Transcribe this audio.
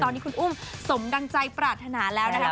ตอนนี้คุณอุ้มสมดังใจปรารถนาแล้วนะครับ